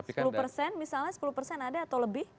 sepuluh persen misalnya sepuluh persen ada atau lebih